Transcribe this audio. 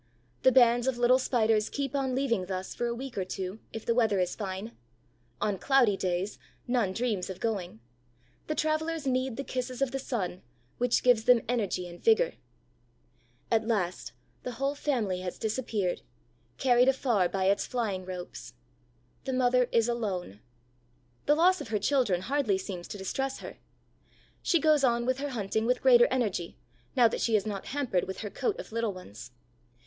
The bands of little Spiders keep on leaving thus for a week or two, if the weather is fine. On cloudy days, none dreams of going. The travelers need the kisses of the sun, which give them energy and vigor. At last, the whole family has disappeared, carried afar by its flying ropes. The mother is alone. The loss of her children hardly seems to distress her. She goes on with her hunting with greater energy, now that she is not hampered with her coat of little ones.